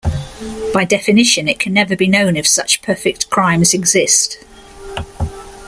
By definition, it can never be known if such perfect crimes exist.